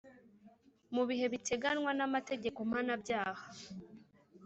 mu bihe biteganywa n amategeko mpana byaha.